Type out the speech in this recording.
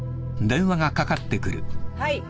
はい。